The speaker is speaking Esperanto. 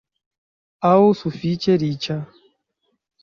aŭ sufiĉe riĉa?